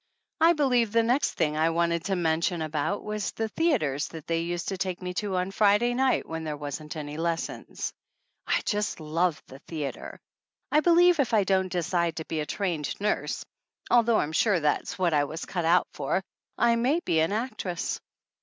I believe the next thing I wanted to mention about was the theaters they used to take me to on Friday night when there wasn't any lessons. I just love the theater. I believe if I don't de cide to be a trained nurse, although I am sure that is what I was cut out for, I may be an actress.